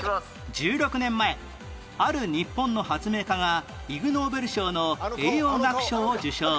１６年前ある日本の発明家がイグノーベル賞の栄養学賞を受賞